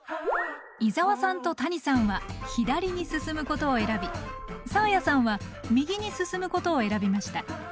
伊沢さんと谷さんは左に進むことを選びサーヤさんは右に進むことを選びました。